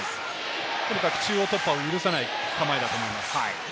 中央突破を許さない構えだと思います。